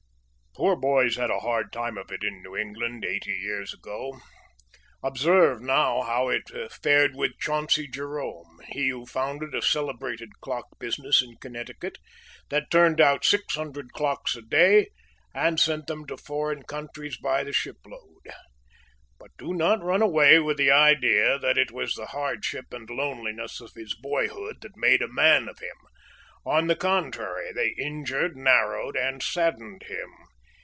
Poor boys had a hard time of it in New England eighty years ago. Observe, now, how it fared with Chauncey Jerome, he who founded a celebrated clock business in Connecticut, that turned out six hundred clocks a day, and sent them to foreign countries by the ship load. But do not run away with the idea that it was the hardship and loneliness of his boyhood that "made a man of him." On the contrary, they injured, narrowed, and saddened him.